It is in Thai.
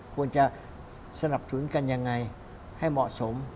ควรจะสนับสนุนกันยังไงให้เหมาะสม